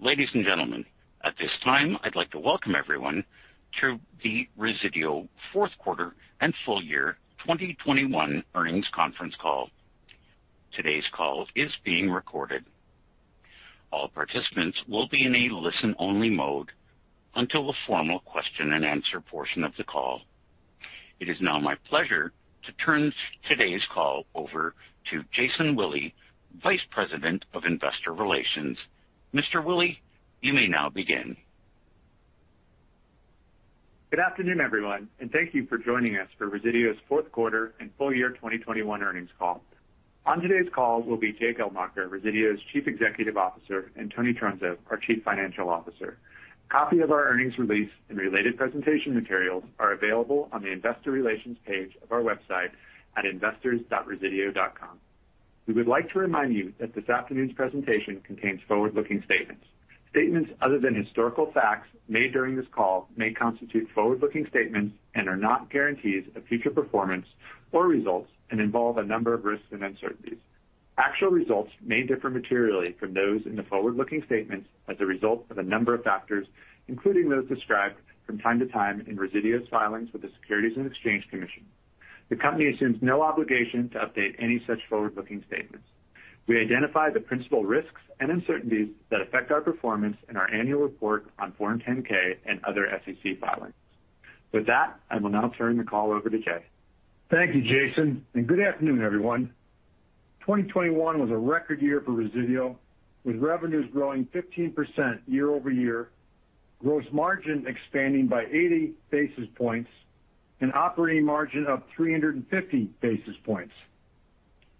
Ladies and gentlemen, at this time, I'd like to welcome everyone to the Resideo fourth quarter and full year 2021 earnings conference call. Today's call is being recorded. All participants will be in a listen-only mode until the formal question-and-answer portion of the call. It is now my pleasure to turn today's call over to Jason Willey, Vice President of Investor Relations. Mr. Willey, you may now begin. Good afternoon, everyone, and thank you for joining us for Resideo's fourth quarter and full year 2021 earnings call. On today's call will be Jay Geldmacher, Resideo's Chief Executive Officer, and Tony Trunzo, our Chief Financial Officer. A copy of our earnings release and related presentation materials are available on the investor relations page of our website at investors.resideo.com. We would like to remind you that this afternoon's presentation contains forward-looking statements. Statements other than historical facts made during this call may constitute forward-looking statements and are not guarantees of future performance or results and involve a number of risks and uncertainties. Actual results may differ materially from those in the forward-looking statements as a result of a number of factors, including those described from time to time in Resideo's filings with the Securities and Exchange Commission. The company assumes no obligation to update any such forward-looking statements. We identify the principal risks and uncertainties that affect our performance in our annual report on Form 10-K and other SEC filings. With that, I will now turn the call over to Jay. Thank you, Jason, and good afternoon, everyone. 2021 was a record year for Resideo, with revenues growing 15% year-over-year, gross margin expanding by 80 basis points and operating margin up 350 basis points.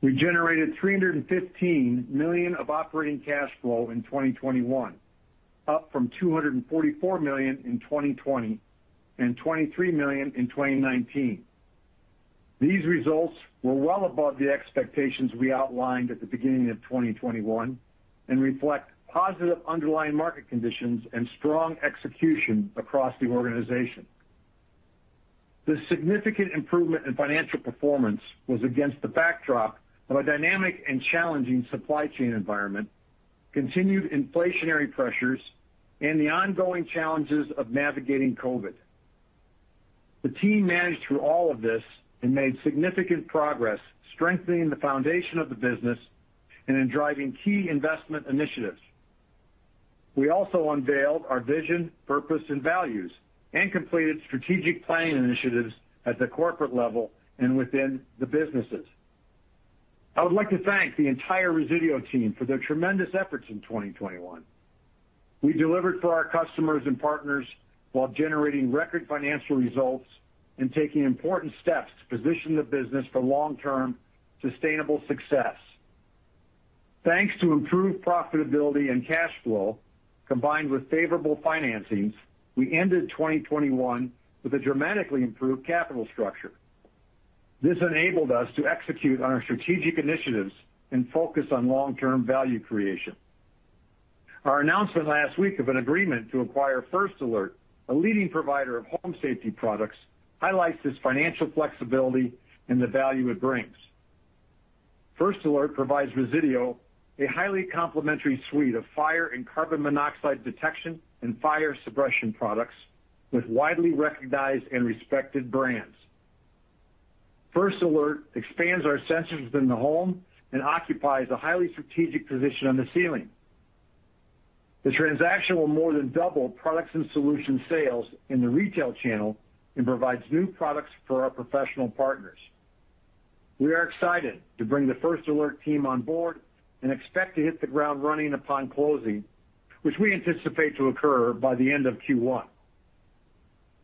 We generated $315 million of operating cash flow in 2021, up from $244 million in 2020 and $23 million in 2019. These results were well above the expectations we outlined at the beginning of 2021 and reflect positive underlying market conditions and strong execution across the organization. The significant improvement in financial performance was against the backdrop of a dynamic and challenging supply chain environment, continued inflationary pressures, and the ongoing challenges of navigating COVID. The team managed through all of this and made significant progress strengthening the foundation of the business and in driving key investment initiatives. We also unveiled our vision, purpose, and values and completed strategic planning initiatives at the corporate level and within the businesses. I would like to thank the entire Resideo team for their tremendous efforts in 2021. We delivered for our customers and partners while generating record financial results and taking important steps to position the business for long-term sustainable success. Thanks to improved profitability and cash flow combined with favorable financings, we ended 2021 with a dramatically improved capital structure. This enabled us to execute on our strategic initiatives and focus on long-term value creation. Our announcement last week of an agreement to acquire First Alert, a leading provider of home safety products, highlights this financial flexibility and the value it brings. First Alert provides Resideo a highly complementary suite of fire and carbon monoxide detection and fire suppression products with widely recognized and respected brands. First Alert expands our sensors within the home and occupies a highly strategic position on the ceiling. The transaction will more than double Products and Solutions sales in the retail channel and provides new products for our professional partners. We are excited to bring the First Alert team on board and expect to hit the ground running upon closing, which we anticipate to occur by the end of Q1.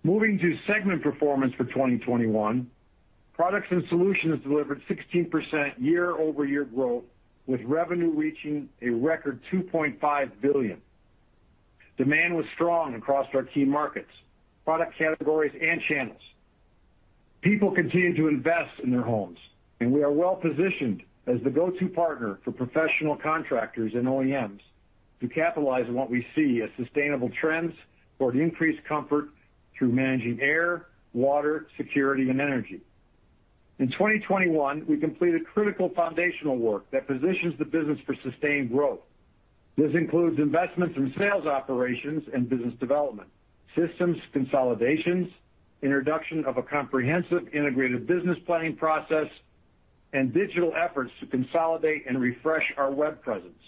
Moving to segment performance for 2021, Products and Solutions delivered 16% year-over-year growth, with revenue reaching a record $2.5 billion. Demand was strong across our key markets, product categories and channels. People continue to invest in their homes, and we are well-positioned as the go-to partner for professional contractors and OEMs to capitalize on what we see as sustainable trends toward increased comfort through managing air, water, security and energy. In 2021, we completed critical foundational work that positions the business for sustained growth. This includes investments in sales operations and business development, systems consolidations, introduction of a comprehensive integrated business planning process, and digital efforts to consolidate and refresh our web presence.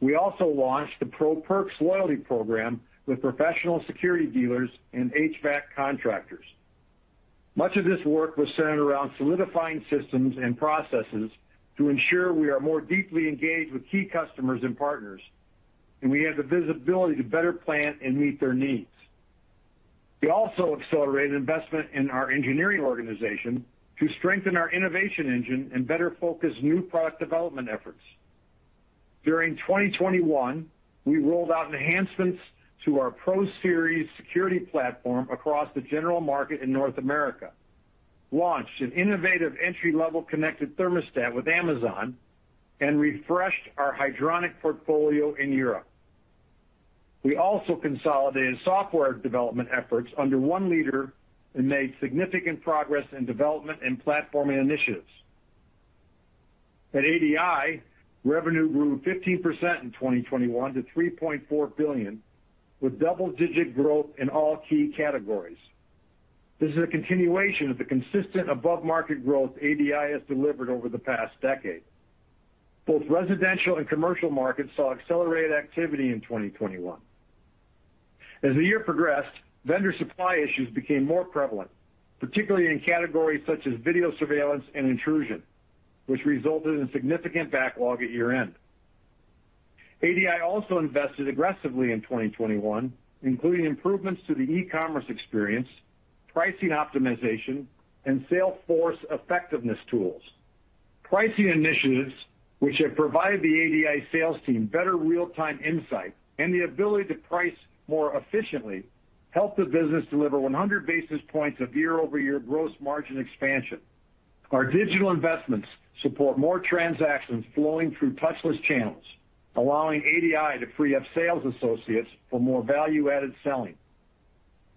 We also launched the Pro PERKS loyalty program with professional security dealers and HVAC contractors. Much of this work was centered around solidifying systems and processes to ensure we are more deeply engaged with key customers and partners, and we have the visibility to better plan and meet their needs. We also accelerated investment in our engineering organization to strengthen our innovation engine and better focus new product development efforts. During 2021, we rolled out enhancements to our ProSeries security platform across the general market in North America, launched an innovative entry-level connected thermostat with Amazon and refreshed our hydronic portfolio in Europe. We also consolidated software development efforts under one leader and made significant progress in development and platform initiatives. At ADI, revenue grew 15% in 2021 to $3.4 billion, with double-digit growth in all key categories. This is a continuation of the consistent above-market growth ADI has delivered over the past decade. Both residential and commercial markets saw accelerated activity in 2021. As the year progressed, vendor supply issues became more prevalent, particularly in categories such as video surveillance and intrusion, which resulted in significant backlog at year-end. ADI also invested aggressively in 2021, including improvements to the e-commerce experience, pricing optimization, and sales force effectiveness tools. Pricing initiatives, which have provided the ADI sales team better real-time insight and the ability to price more efficiently, helped the business deliver 100 basis points of year-over-year gross margin expansion. Our digital investments support more transactions flowing through touchless channels, allowing ADI to free up sales associates for more value-added selling.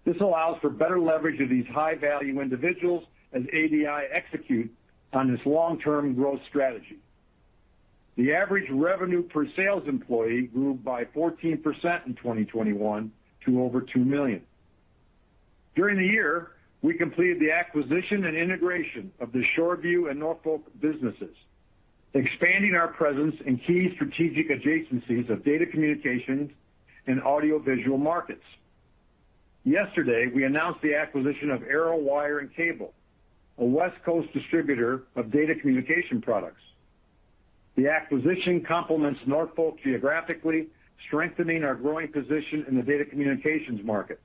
This allows for better leverage of these high-value individuals as ADI execute on this long-term growth strategy. The average revenue per sales employee grew by 14% in 2021 to over $2 million. During the year, we completed the acquisition and integration of the Shoreview and Norfolk businesses, expanding our presence in key strategic adjacencies of data communications and audiovisual markets. Yesterday, we announced the acquisition of Arrow Wire & Cable, a West Coast distributor of data communication products. The acquisition complements Norfolk geographically, strengthening our growing position in the data communications market.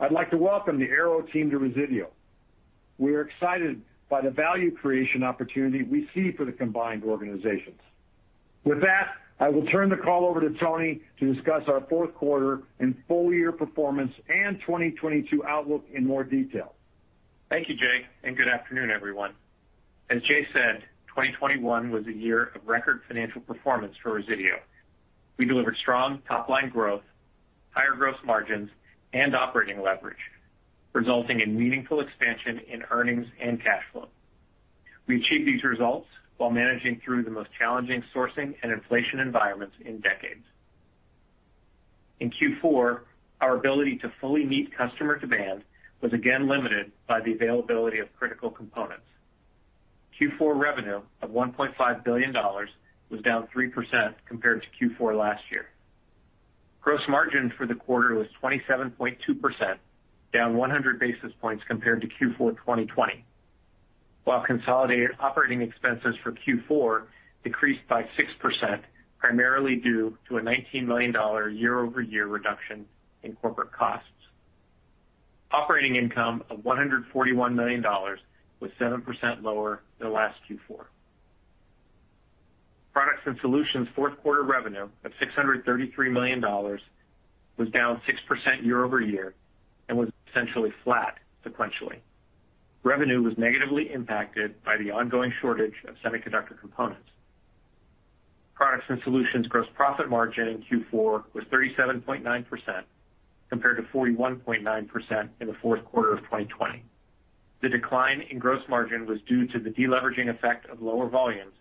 I'd like to welcome the Arrow team to Resideo. We are excited by the value creation opportunity we see for the combined organizations. With that, I will turn the call over to Tony to discuss our fourth quarter and full-year performance and 2022 outlook in more detail. Thank you, Jay, and good afternoon, everyone. As Jay said, 2021 was a year of record financial performance for Resideo. We delivered strong top-line growth, higher gross margins, and operating leverage, resulting in meaningful expansion in earnings and cash flow. We achieved these results while managing through the most challenging sourcing and inflation environments in decades. In Q4, our ability to fully meet customer demand was again limited by the availability of critical components. Q4 revenue of $1.5 billion was down 3% compared to Q4 last year. Gross margin for the quarter was 27.2%, down 100 basis points compared to Q4 2020. While consolidated operating expenses for Q4 decreased by 6%, primarily due to a $19 million year-over-year reduction in corporate costs. Operating income of $141 million was 7% lower than last Q4. Products & Solutions' fourth quarter revenue of $633 million was down 6% year-over-year and was essentially flat sequentially. Revenue was negatively impacted by the ongoing shortage of semiconductor components. Products & Solutions gross profit margin in Q4 was 37.9% compared to 41.9% in the fourth quarter of 2020. The decline in gross margin was due to the deleveraging effect of lower volumes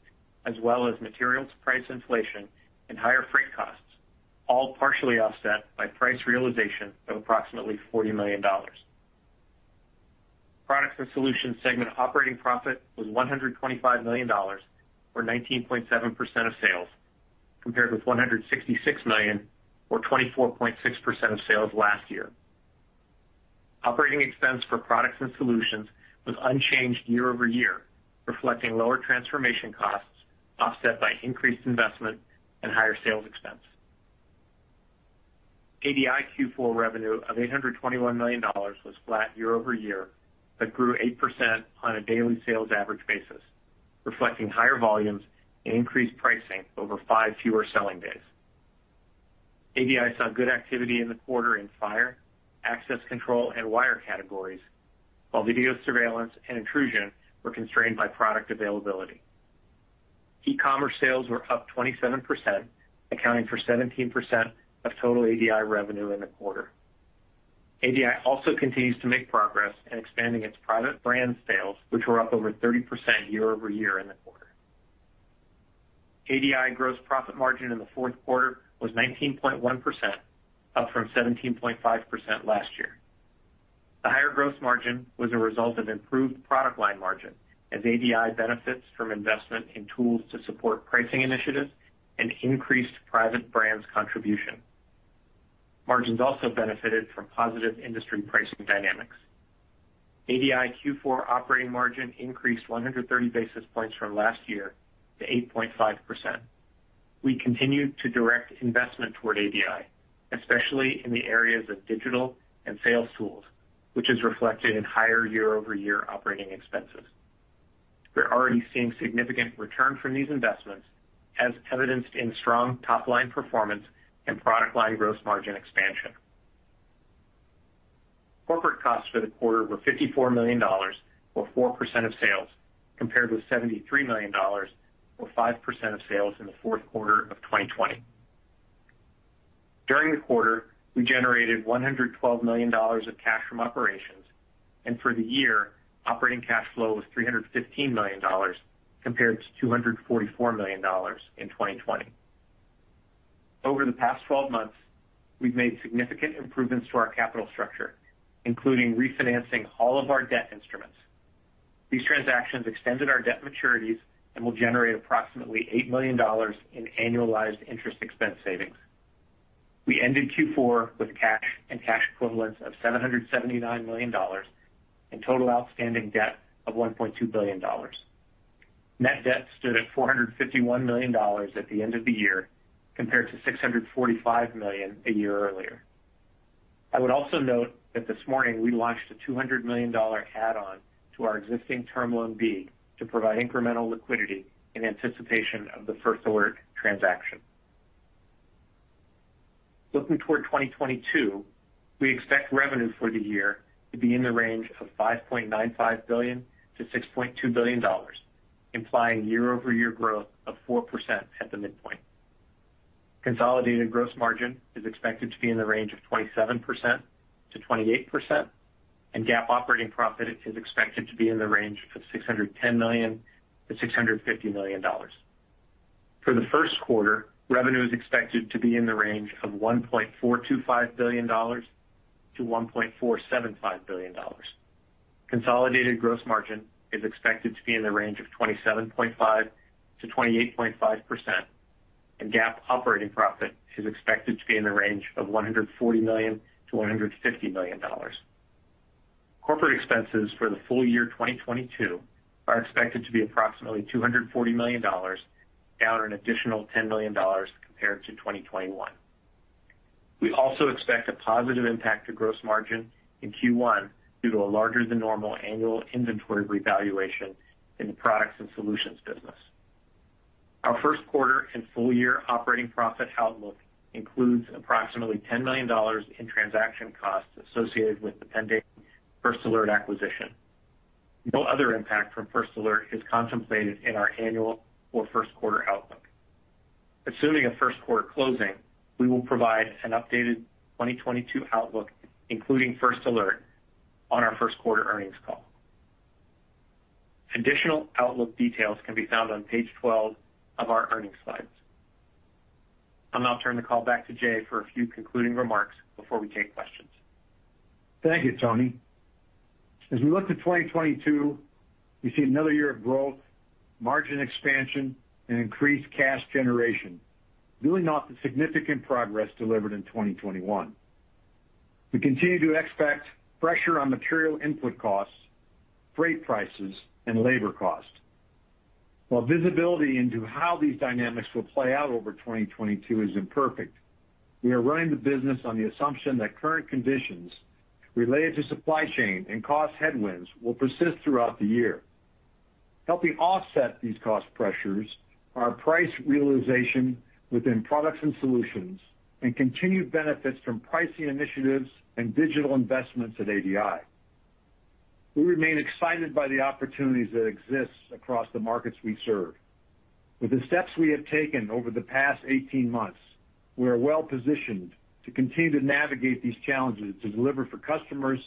as well as materials price inflation and higher freight costs, all partially offset by price realization of approximately $40 million. Products & Solutions segment operating profit was $125 million or 19.7% of sales, compared with $166 million or 24.6% of sales last year. Operating expense for Products & Solutions was unchanged year-over-year, reflecting lower transformation costs offset by increased investment and higher sales expense. ADI Q4 revenue of $821 million was flat year-over-year, but grew 8% on a daily sales average basis, reflecting higher volumes and increased pricing over five fewer selling days. ADI saw good activity in the quarter in fire, access control, and wire categories, while video surveillance and intrusion were constrained by product availability. e-commerce sales were up 27%, accounting for 17% of total ADI revenue in the quarter. ADI also continues to make progress in expanding its private brand sales, which were up over 30% year-over-year in the quarter. ADI gross profit margin in the fourth quarter was 19.1%, up from 17.5% last year. The higher gross margin was a result of improved product line margin as ADI benefits from investment in tools to support pricing initiatives and increased private brands contribution. Margins also benefited from positive industry pricing dynamics. ADI Q4 operating margin increased 130 basis points from last year to 8.5%. We continued to direct investment toward ADI, especially in the areas of digital and sales tools, which is reflected in higher year-over-year operating expenses. We're already seeing significant return from these investments as evidenced in strong top-line performance and product line gross margin expansion. Corporate costs for the quarter were $54 million or 4% of sales, compared with $73 million or 5% of sales in the fourth quarter of 2020. During the quarter, we generated $112 million of cash from operations. For the year, operating cash flow was $315 million compared to $244 million in 2020. Over the past twelve months, we've made significant improvements to our capital structure, including refinancing all of our debt instruments. These transactions extended our debt maturities and will generate approximately $8 million in annualized interest expense savings. We ended Q4 with cash and cash equivalents of $779 million and total outstanding debt of $1.2 billion. Net debt stood at $451 million at the end of the year, compared to $645 million a year earlier. I would also note that this morning we launched a $200 million add-on to our existing Term Loan B to provide incremental liquidity in anticipation of the First Alert transaction. Looking toward 2022, we expect revenue for the year to be in the range of $5.95 billion-$6.2 billion, implying year-over-year growth of 4% at the midpoint. Consolidated gross margin is expected to be in the range of 27%-28%, and GAAP operating profit is expected to be in the range of $610 million-$650 million. For the first quarter, revenue is expected to be in the range of $1.425 billion-$1.475 billion. Consolidated gross margin is expected to be in the range of 27.5%-28.5%, and GAAP operating profit is expected to be in the range of $140 million-$150 million. Corporate expenses for the full year 2022 are expected to be approximately $240 million, down an additional $10 million compared to 2021. We also expect a positive impact to gross margin in Q1 due to a larger than normal annual inventory revaluation in the Products and Solutions business. Our first quarter and full year operating profit outlook includes approximately $10 million in transaction costs associated with the pending First Alert acquisition. No other impact from First Alert is contemplated in our annual or first quarter outlook. Assuming a first quarter closing, we will provide an updated 2022 outlook, including First Alert, on our first quarter earnings call. Additional outlook details can be found on page 12 of our earnings slides. I'll now turn the call back to Jay for a few concluding remarks before we take questions. Thank you, Tony. As we look to 2022, we see another year of growth, margin expansion, and increased cash generation, building off the significant progress delivered in 2021. We continue to expect pressure on material input costs, freight prices, and labor costs. While visibility into how these dynamics will play out over 2022 is imperfect, we are running the business on the assumption that current conditions related to supply chain and cost headwinds will persist throughout the year. Helping offset these cost pressures are price realization within Products and Solutions and continued benefits from pricing initiatives and digital investments at ADI. We remain excited by the opportunities that exist across the markets we serve. With the steps we have taken over the past 18 months, we are well-positioned to continue to navigate these challenges to deliver for customers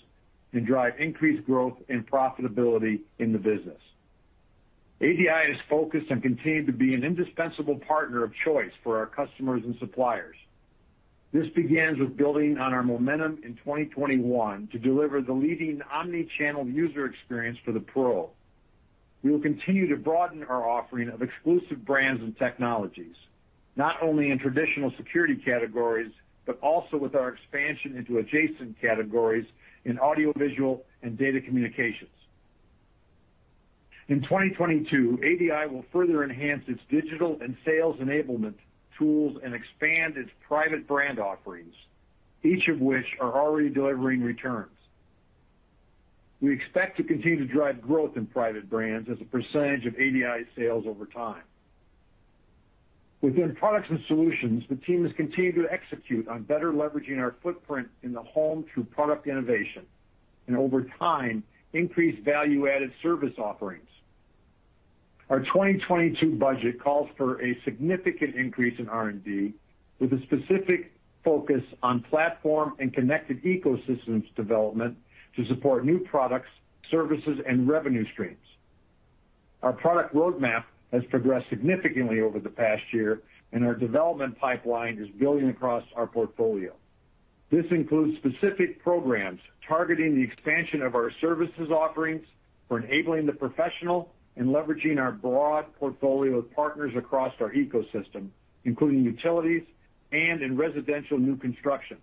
and drive increased growth and profitability in the business. ADI has focused and continued to be an indispensable partner of choice for our customers and suppliers. This begins with building on our momentum in 2021 to deliver the leading omni-channel user experience for the pro. We will continue to broaden our offering of exclusive brands and technologies, not only in traditional security categories, but also with our expansion into adjacent categories in audiovisual and data communications. In 2022, ADI will further enhance its digital and sales enablement tools and expand its private brand offerings, each of which are already delivering returns. We expect to continue to drive growth in private brands as a percentage of ADI sales over time. Within Products and Solutions, the team has continued to execute on better leveraging our footprint in the home through product innovation and over time, increased value-added service offerings. Our 2022 budget calls for a significant increase in R&D with a specific focus on platform and connected ecosystems development to support new products, services, and revenue streams. Our product roadmap has progressed significantly over the past year, and our development pipeline is building across our portfolio. This includes specific programs targeting the expansion of our services offerings for enabling the professional and leveraging our broad portfolio of partners across our ecosystem, including utilities and in residential new construction.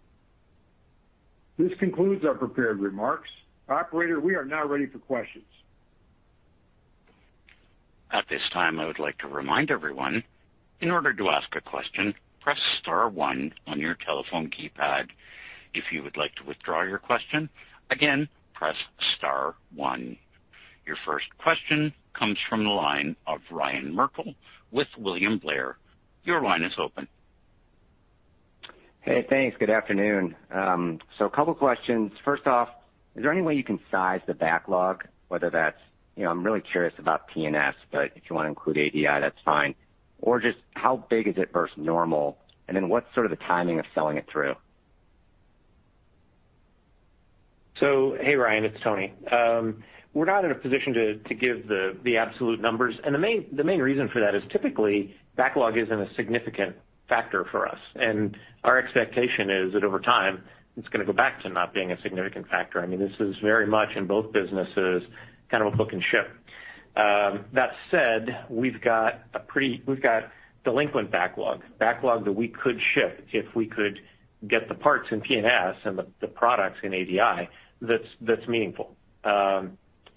This concludes our prepared remarks. Operator, we are now ready for questions. At this time, I would like to remind everyone, in order to ask a question, press star one on your telephone keypad. If you would like to withdraw your question, again, press star one. Your first question comes from the line of Ryan Merkel with William Blair. Your line is open. Hey, thanks. Good afternoon. A couple questions. First off, is there any way you can size the backlog, whether that's, you know, I'm really curious about PNS, but if you wanna include ADI, that's fine. Or just how big is it versus normal, and then what's sort of the timing of selling it through? Hey, Ryan, it's Tony. We're not in a position to give the absolute numbers. The main reason for that is typically backlog isn't a significant factor for us. Our expectation is that over time, it's gonna go back to not being a significant factor. I mean, this is very much in both businesses, kind of a book and ship. That said, we've got delinquent backlog that we could ship if we could get the parts in PNS and the products in ADI that's meaningful.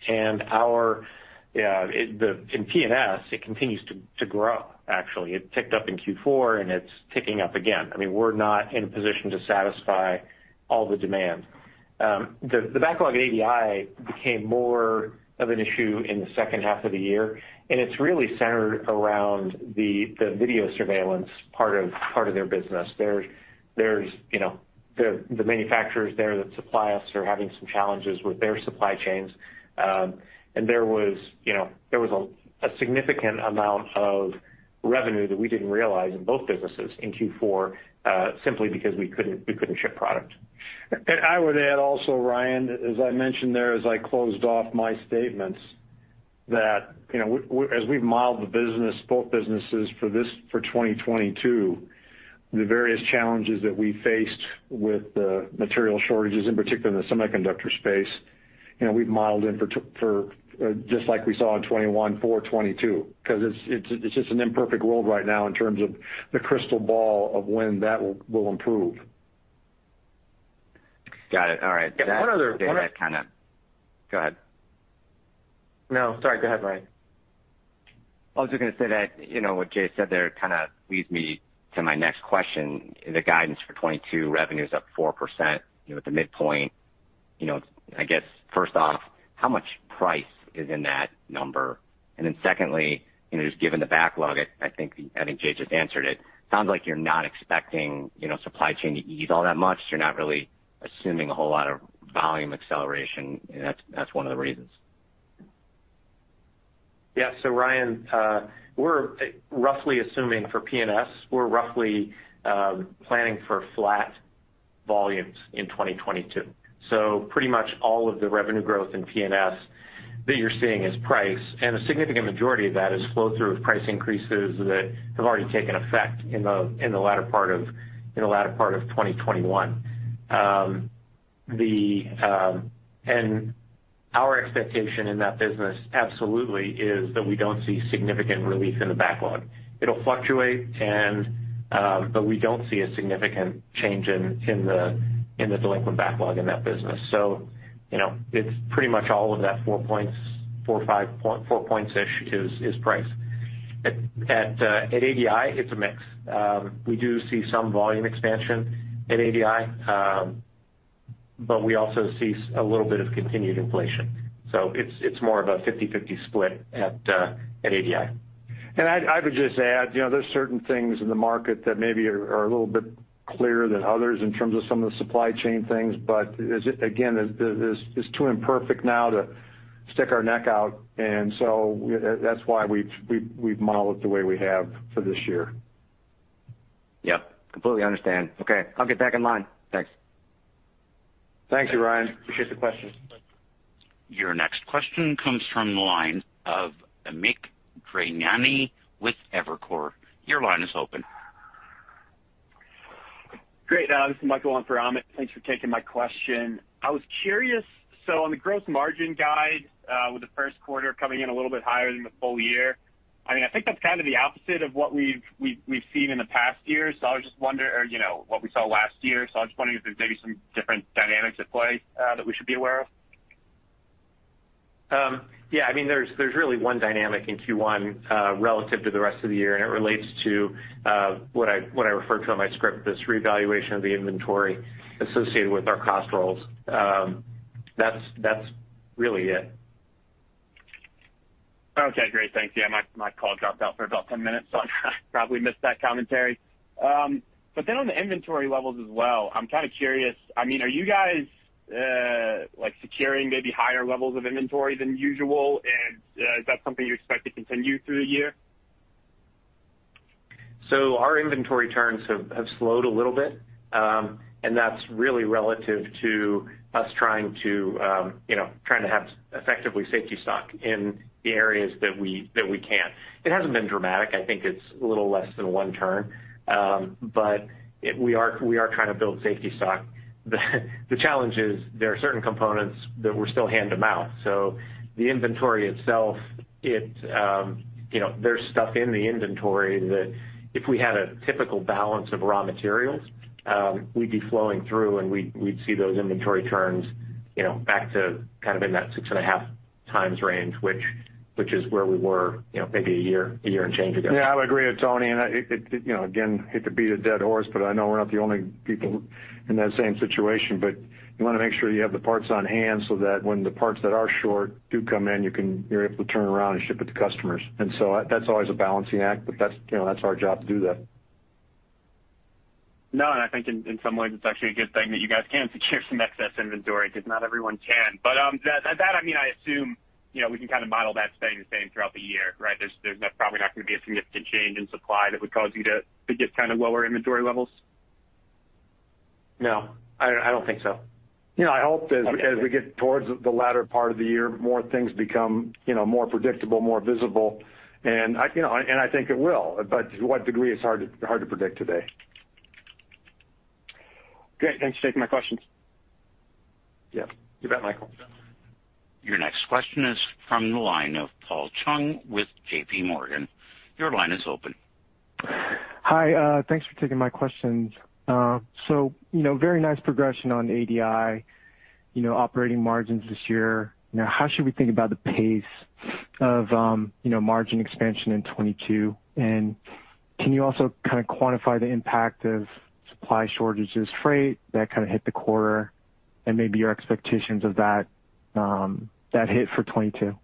Our backlog in PNS continues to grow, actually. It ticked up in Q4, and it's ticking up again. I mean, we're not in a position to satisfy all the demand. The backlog at ADI became more of an issue in the second half of the year, and it's really centered around the video surveillance part of their business. There's the manufacturers there that supply us are having some challenges with their supply chains. There was, a significant amount of revenue that we didn't realize in both businesses in Q4, simply because we couldn't ship product. I would add also, Ryan, as I mentioned there as I closed off my statements, that, as we've modeled the business, both businesses for 2022, the various challenges that we faced with the material shortages, in particular in the semiconductor space, we've modeled in for just like we saw in 2021 for 2022 because it's just an imperfect world right now in terms of the crystal ball of when that will improve. Got it. All right. One other- Go ahead. No. Sorry. Go ahead, Ryan. I was just gonna say that what Jay said there kinda leads me to my next question. The guidance for 2022 revenue is up 4% at the midpoint. You know, I guess first off, how much price is in that number? And then secondly just given the backlog, I think Jay just answered it. Sounds like you're not expectingsupply chain to ease all that much. You're not really assuming a whole lot of volume acceleration, and that's one of the reasons. Yeah. Ryan, we're roughly assuming for PNS, planning for flat volumes in 2022. Pretty much all of the revenue growth in PNS that you're seeing is price, and a significant majority of that is flow through with price increases that have already taken effect in the latter part of 2021. Our expectation in that business absolutely is that we don't see significant relief in the backlog. It'll fluctuate but we don't see a significant change in the delinquent backlog in that business. You know, it's pretty much all of that 4 or 5 points-ish is price. At ADI, it's a mix. We do see some volume expansion at ADI, but we also see a little bit of continued inflation. It's more of a 50/50 split at ADI. I would just add, there's certain things in the market that maybe are a little bit clearer than others in terms of some of the supply chain things. Is it, again, it's too imperfect now to stick our neck out, and so that's why we've modeled the way we have for this year. Yep. Completely understand. Okay, I'll get back in line. Thanks. Thank you, Ryan. Appreciate the question. Your next question comes from the line of Amit Daryanani with Evercore. Your line is open. Great. This is Michael, and for Amit. Thanks for taking my question. I was curious, so on the gross margin guide, with the first quarter coming in a little bit higher than the full year. I mean, I think that's kind of the opposite of what we've seen in the past year. I was just wondering or,, what we saw last year, if there's maybe some different dynamics at play, that we should be aware of. Yeah, I mean, there's really one dynamic in Q1 relative to the rest of the year, and it relates to what I referred to in my script, this revaluation of the inventory associated with our cost rolls. That's really it. Okay. Great. Thanks. Yeah, my call dropped out for about 10 minutes, so I probably missed that commentary. On the inventory levels as well, I'm kinda curious. I mean, are you guys like securing maybe higher levels of inventory than usual and is that something you expect to continue through the year? Our inventory turns have slowed a little bit, and that's really relative to us trying to have effectively safety stock in the areas that we can. It hasn't been dramatic. I think it's a little less than one turn. We are trying to build safety stock. The challenge is there are certain components that we're still hand to mouth. So the inventory itself, there's stuff in the inventory that if we had a typical balance of raw materials, we'd be flowing through and we'd see those inventory turns back to kind of in that 6.5 times range, which is where we were,, maybe a year and change ago. Yeah, I would agree with Tony, and I hate to beat a dead horse, but I know we're not the only people in that same situation. You wanna make sure you have the parts on hand so that when the parts that are short do come in, you're able to turn around and ship it to customers. That's always a balancing act, but that's our job to do that. No, I think in some ways it's actually a good thing that you guys can secure some excess inventory because not everyone can. That I mean, I assume we can kind of model that staying the same throughout the year, right? There's probably not gonna be a significant change in supply that would cause you to get kind of lower inventory levels. No, I don't think so. You know, I hope as we get towards the latter part of the year, more things become, more predictable, more visible. I, think it will. To what degree is hard to predict today. Great. Thanks for taking my questions. Yeah. You bet, Michael. Your next question is from the line of Paul Chung with JP Morgan. Your line is open. Hi, thanks for taking my questions. So very nice progression on ADI, operating margins this year. You know, how should we think about the pace of margin expansion in 2022? Can you also kind of quantify the impact of supply shortages, freight that kind of hit the quarter and maybe your expectations of that hit for 2022?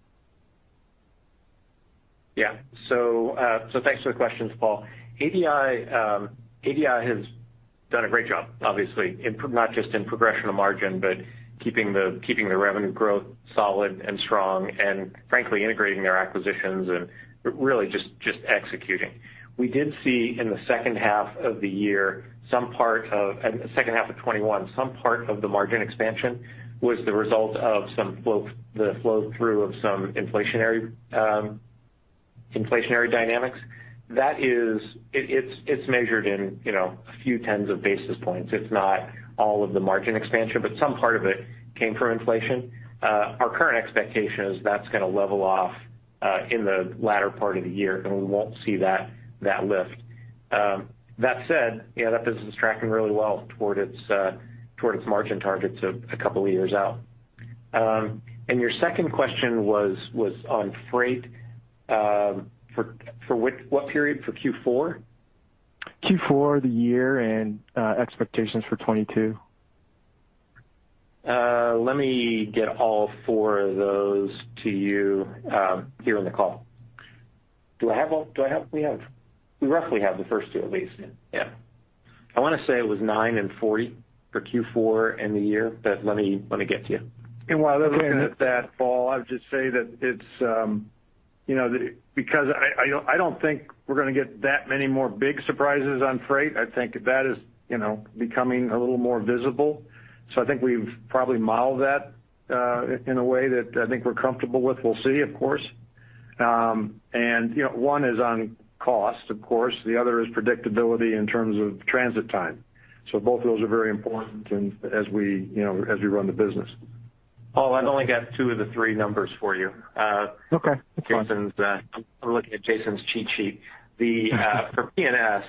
Yeah. Thanks for the questions, Paul. ADI has done a great job, obviously, in not just the progression of margin, but keeping the revenue growth solid and strong and frankly integrating their acquisitions and really just executing. We did see in the second half of the year and second half of 2021, some part of the margin expansion was the result of the flow through of some inflationary dynamics. It's measured in, you know, a few tens of basis points. It's not all of the margin expansion, but some part of it came from inflation. Our current expectation is that's gonna level off in the latter part of the year, and we won't see that lift. That said that business is tracking really well toward its margin targets a couple of years out. Your second question was on freight for which period? For Q4? Q4, the year, and expectations for 2022. Let me get all four of those to you here on the call. Do I have all? We roughly have the first two at least. Yeah. I wanna say it was 9 and 40 for Q4 and the year, but let me get to you. While they're looking at that, Paul, I'll just say that it's, you know, because I don't think we're gonna get that many more big surprises on freight. I think that is, you know, becoming a little more visible. I think we've probably modeled that in a way that I think we're comfortable with. We'll see, of course. You know, one is on cost, of course. The other is predictability in terms of transit time. Both of those are very important and as we as we run the business. Paul, I've only got two of the three numbers for you. Okay. That's fine. Jason's. I'm looking at Jason's cheat sheet. The for P&S,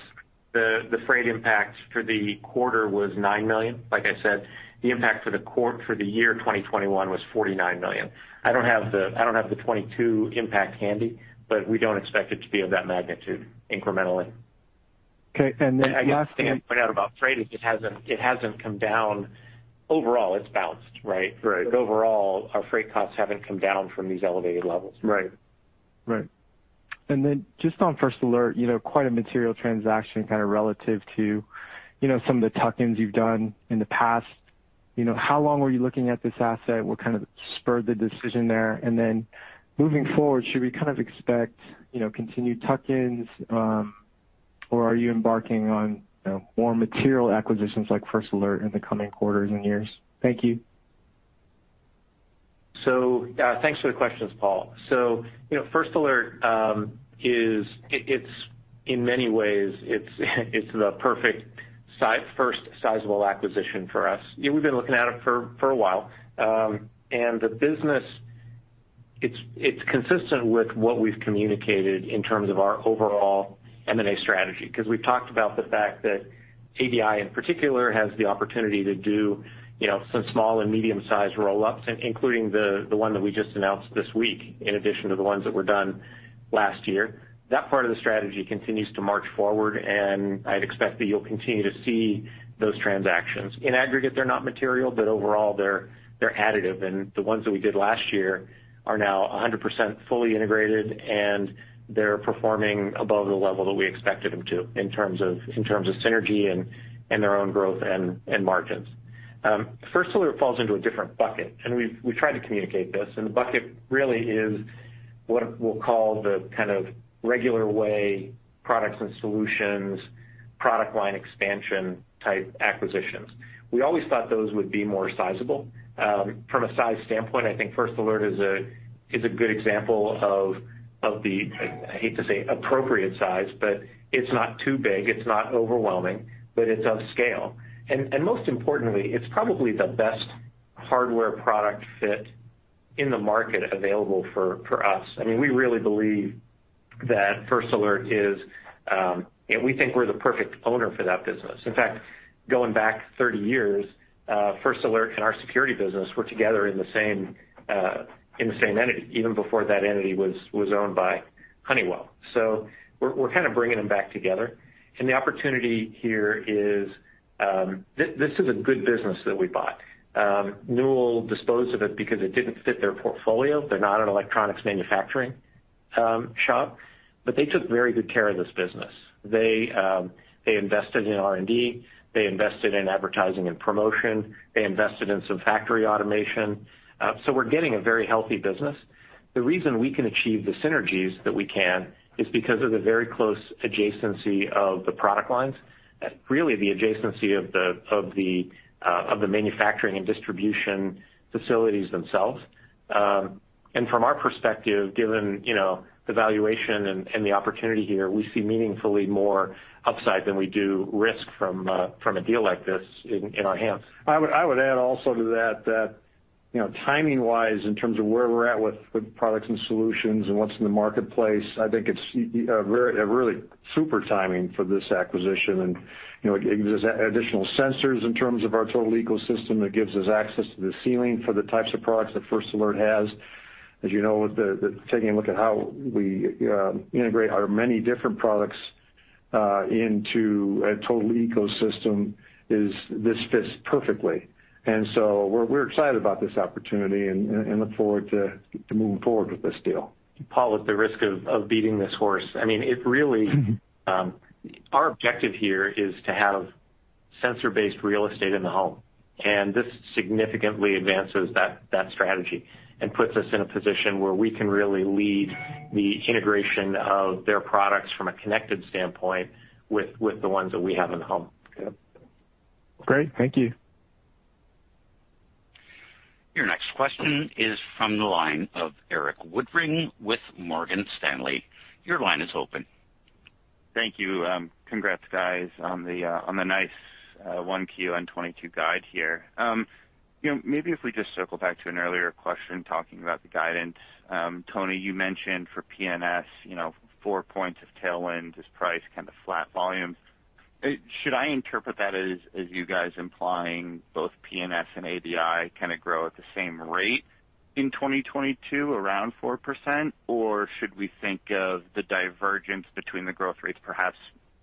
the freight impact for the quarter was $9 million. Like I said, the impact for the year 2021 was $49 million. I don't have the 2022 impact handy, but we don't expect it to be of that magnitude incrementally. Okay. The other thing I'd point out about freight is it hasn't come down. Overall, it's bounced, right? Right. Overall, our freight costs haven't come down from these elevated levels. Right. Just on First Alert quite a material transaction kind of relative to, some of the tuck-ins you've done in the past. You know, how long were you looking at this asset? What kind of spurred the decision there? Moving forward, should we kind of expect continued tuck-ins, or are you embarking on more material acquisitions like First Alert in the coming quarters and years? Thank you. Thanks for the questions, Paul. First Alert is in many ways the perfect first sizable acquisition for us. We've been looking at it for a while. The business is consistent with what we've communicated in terms of our overall M&A strategy, 'cause we've talked about the fact that ADI in particular has the opportunity to do some small and medium sized roll-ups, including the one that we just announced this week in addition to the ones that were done last year. That part of the strategy continues to march forward, and I'd expect that you'll continue to see those transactions. In aggregate, they're not material, but overall they're additive. The ones that we did last year are now 100% fully integrated, and they're performing above the level that we expected them to in terms of synergy and their own growth and margins. First Alert falls into a different bucket, and we've tried to communicate this, and the bucket really is what we'll call the kind of regular way Products and Solutions, product line expansion type acquisitions. We always thought those would be more sizable. From a size standpoint, I think First Alert is a good example of the, I hate to say appropriate size, but it's not too big, it's not overwhelming, but it's of scale. Most importantly, it's probably the best hardware product fit in the market available for us. I mean, we really believe that First Alert is. You know, we think we're the perfect owner for that business. In fact, going back 30 years, First Alert and our security business were together in the same entity, even before that entity was owned by Honeywell. We're kind of bringing them back together. The opportunity here is this is a good business that we bought. Newell disposed of it because it didn't fit their portfolio. They're not in electronics manufacturing, but they took very good care of this business. They invested in R&D. They invested in advertising and promotion. They invested in some factory automation. We're getting a very healthy business. The reason we can achieve the synergies that we can is because of the very close adjacency of the product lines, really the adjacency of the manufacturing and distribution facilities themselves. From our perspective, given you know the valuation and the opportunity here, we see meaningfully more upside than we do risk from a deal like this in our hands. I would add also to that, you know, timing-wise, in terms of where we're at with Products and Solutions and what's in the marketplace, I think it's a really superb timing for this acquisition and, you know, it gives us additional sensors in terms of our total ecosystem. It gives us access to the ceiling for the types of products that First Alert has. As you know, taking a look at how we integrate our many different products into a total ecosystem, this fits perfectly. We're excited about this opportunity and look forward to moving forward with this deal. Paul, at the risk of beating this horse, I mean, our objective here is to have sensor-based real estate in the home, and this significantly advances that strategy and puts us in a position where we can really lead the integration of their products from a connected standpoint with the ones that we have in the home. Yeah. Great. Thank you. Your next question is from the line of Erik Woodring with Morgan Stanley. Your line is open. Thank you. Congrats guys on the nice 1Q and 2022 guide here. You know, maybe if we just circle back to an earlier question talking about the guidance, Tony, you mentioned for PNS 4 points of tailwind is price, kind of flat volume. Should I interpret that as you guys implying both PNS and ADI kind of grow at the same rate in 2022 around 4%? Or should we think of the divergence between the growth rates perhaps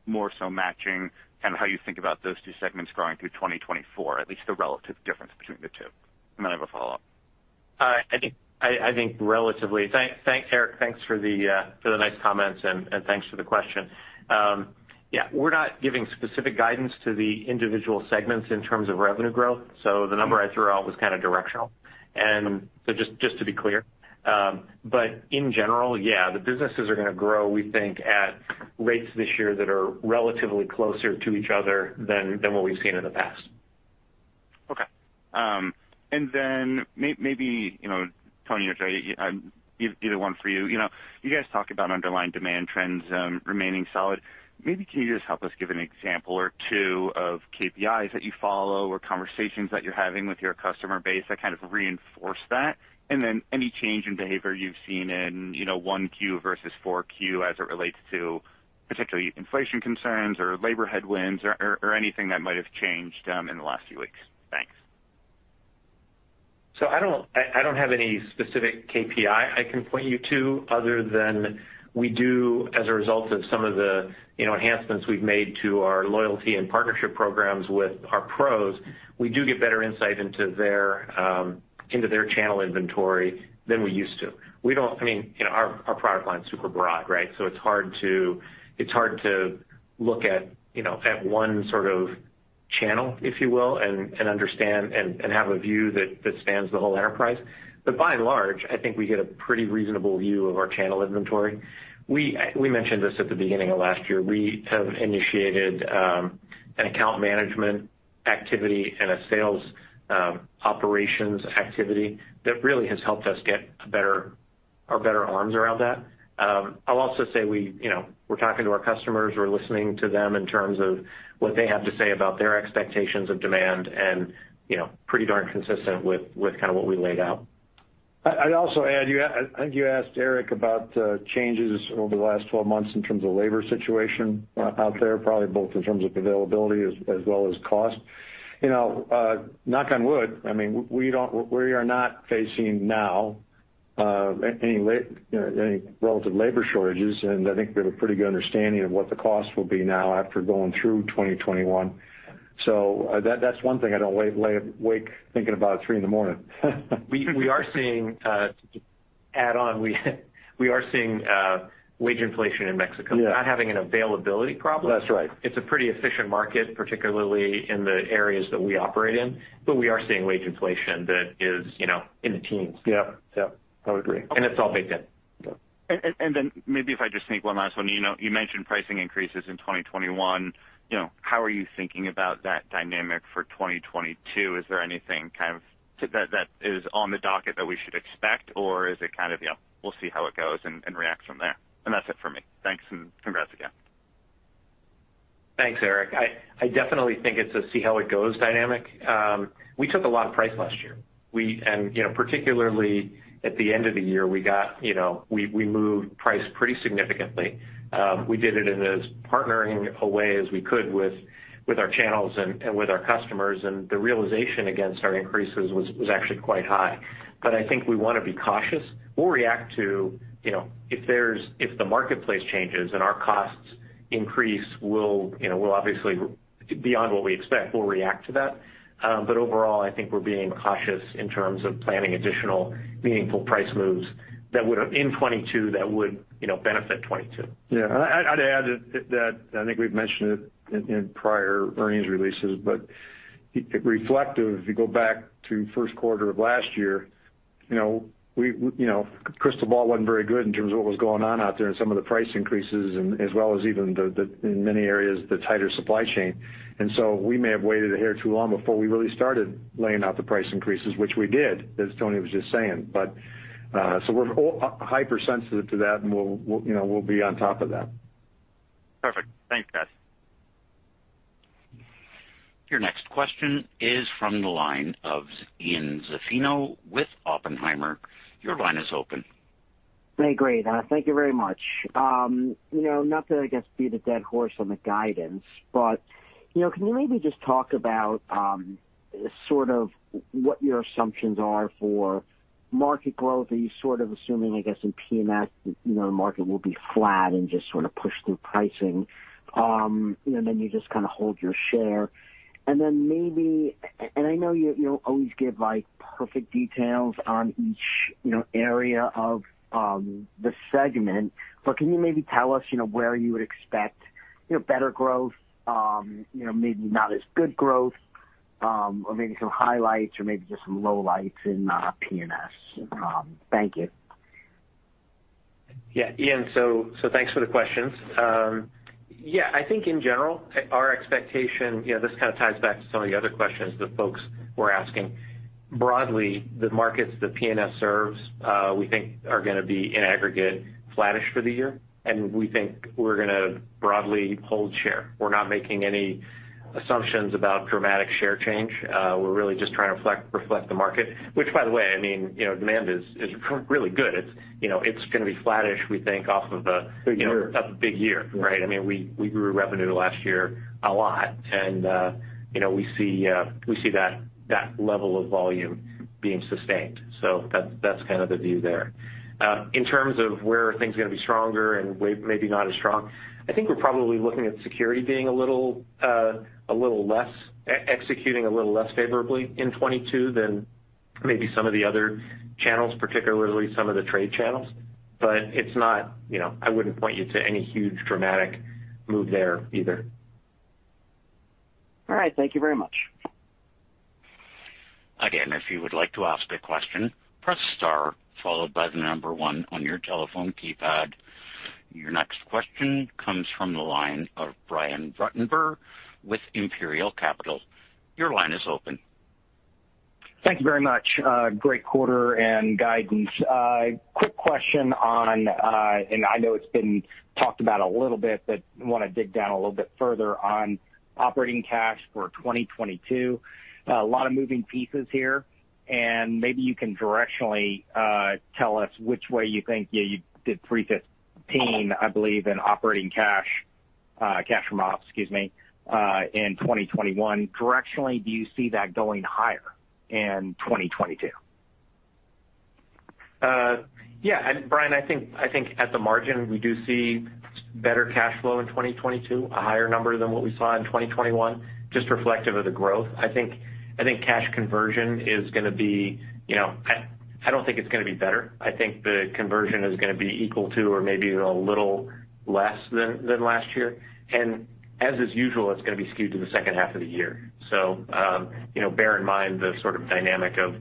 more so matching kind of how you think about those two segments growing through 2024, at least the relative difference between the two? Then I have a follow-up. I think relatively. Thanks, Erik. Thanks for the nice comments and thanks for the question. Yeah, we're not giving specific guidance to the individual segments in terms of revenue growth, so the number I threw out was kind of directional. Just to be clear. In general, yeah, the businesses are gonna grow, we think, at rates this year that are relatively closer to each other than what we've seen in the past. Okay. Maybe, you know, Tony, or Jay, either one for you. You know, you guys talk about underlying demand trends remaining solid. Maybe can you just help us give an example or two of KPIs that you follow or conversations that you're having with your customer base that kind of reinforce that? Any change in behavior you've seen in 1Q versus 4Q as it relates to particularly inflation concerns or labor headwinds or anything that might have changed in the last few weeks. Thanks. I don't have any specific KPI I can point you to other than we do as a result of some of the, enhancements we've made to our loyalty and partnership programs with our pros. We do get better insight into their into their channel inventory than we used to. We don't. I mean, our product line is super broad, right? It's hard to look at,, at one sort of channel, if you will, and understand and have a view that spans the whole enterprise. By and large, I think we get a pretty reasonable view of our channel inventory. We mentioned this at the beginning of last year. We have initiated an account management activity and a sales operations activity that really has helped us get a better arms around that. I'll also say we, we're talking to our customers. We're listening to them in terms of what they have to say about their expectations of demand and pretty darn consistent with kind of what we laid out. I'd also add, I think you asked Erik about changes over the last 12 months in terms of labor situation out there, probably both in terms of availability as well as cost. You know, knock on wood, I mean, we don't, we are not facing now any relative labor shortages, and I think we have a pretty good understanding of what the cost will be now after going through 2021. That's one thing I don't wake thinking about at 3:00 A.M. We are seeing, to add on, we are seeing wage inflation in Mexico. Yeah. Not having an availability problem. That's right. It's a pretty efficient market, particularly in the areas that we operate in, but we are seeing wage inflation that is in the teens. Yeah. Yeah. I would agree. It's all baked in. Yeah. Maybe if I just sneak one last one. You know, you mentioned pricing increases in 2021. You know, how are you thinking about that dynamic for 2022? Is there anything kind of that is on the docket that we should expect, or is it kind of, we'll see how it goes and react from there? That's it for me. Thanks and congrats again. Thanks, Erik. I definitely think it's a see how it goes dynamic. We took a lot of price last year. We andparticularly at the end of the year, we got we moved price pretty significantly. We did it in as partnering a way as we could with our channels and with our customers, and the realization against our increases was actually quite high. I think we wanna be cautious to react to, you know, if the marketplace changes and our costs increase, we'll, you know, we'll obviously, beyond what we expect, we'll react to that. Overall, I think we're being cautious in terms of planning additional meaningful price moves that would in 2022, that would benefit 2022. Yeah. I'd add that I think we've mentioned it in prior earnings releases, but it's reflective if you go back to first quarter of last year. You know, we crystal ball wasn't very good in terms of what was going on out there and some of the price increases and as well as even the in many areas the tighter supply chain. We may have waited a hair too long before we really started laying out the price increases, which we did, as Tony was just saying. We're all hypersensitive to that, and we'l, be on top of that. Perfect. Thanks, guys. Your next question is from the line of Ian Zaffino with Oppenheimer. Your line is open. Hey, great. Thank you very much. You know, not to, I guess, beat a dead horse on the guidance, but you know, can you maybe just talk about sort of what your assumptions are for market growth? Are you sort of assuming, I guess, in PNS the market will be flat and just sort of push through pricing, and then you just kinda hold your share. Then maybe, and I know you don't always give like perfect details on each, area of the segment, but can you maybe tell us, where you would expec better growth, maybe not as good growth, or maybe some highlights or maybe just some lowlights in PNS. Thank you. Yeah, Ian. Thanks for the questions. Yeah, I think in general, our expectationthis kind of ties back to some of the other questions that folks were asking. Broadly, the markets that PNS serves, we think are gonna be in aggregate flattish for the year, and we think we're gonna broadly hold share. We're not making any assumptions about dramatic share change. We're really just trying to reflect the market, which by the way, I mean, demand is really good. It's it's gonna be flattish, we think, off of a- Big year You know, off a big year, right? I mean, we grew revenue last year a lot andwe see that level of volume being sustained. That's kind of the view there. In terms of where things are gonna be stronger and maybe not as strong, I think we're probably looking at security being a little less, executing a little less favorably in 2022 than maybe some of the other channels, particularly some of the trade channels. It's not I wouldn't point you to any huge dramatic move there either. All right. Thank you very much. Again, if you would like to ask a question, press star followed by the number 1 on your telephone keypad. Your next question comes from the line of Brian Ruttenbur with Imperial Capital. Your line is open. Thank you very much. Great quarter and guidance. Quick question on, and I know it's been talked about a little bit, but wanna dig down a little bit further on operating cash for 2022. A lot of moving pieces here, and maybe you can directionally tell us which way you think. Yeah, you did pre-15, I believe, in operating cash from ops, excuse me, in 2021. Directionally, do you see that going higher in 2022? Yeah. Brian, I think at the margin, we do see better cash flow in 2022, a higher number than what we saw in 2021, just reflective of the growth. I think cash conversion is gonna be, you know. I don't think it's gonna be better. I think the conversion is gonna be equal to or maybe a little less than last year. As is usual, it's gonna be skewed to the second half of the year. You know, bear in mind the sort of dynamic of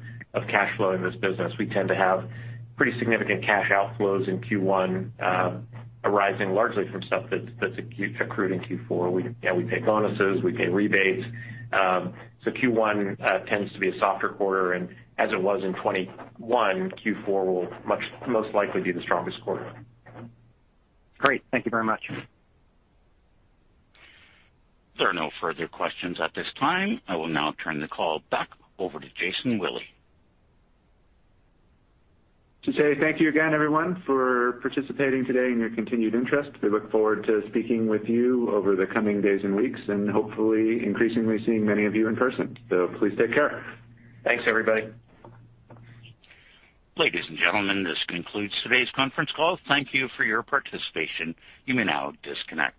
cash flow in this business. We tend to have pretty significant cash outflows in Q1, arising largely from stuff that's accrued in Q4. We pay bonuses, we pay rebates. Q1 tends to be a softer quarter. As it was in 2021, Q4 will most likely be the strongest quarter. Great. Thank you very much. There are no further questions at this time. I will now turn the call back over to Jason Willey. To say thank you again, everyone, for participating today and your continued interest. We look forward to speaking with you over the coming days and weeks and hopefully increasingly seeing many of you in person. Please take care. Thanks, everybody. Ladies and gentlemen, this concludes today's conference call. Thank you for your participation. You may now disconnect.